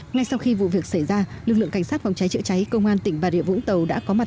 ngay sau khi vụ việc xảy ra lực lượng cảnh sát phòng cháy chữa cháy công an tỉnh bà rịa vũng tàu đã có mặt